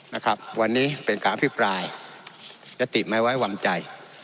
นะครับวันนี้เป็นการอภิปรายยติไม่ไว้วางใจ